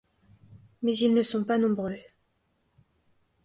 Mais ils ne sont pas nombreux.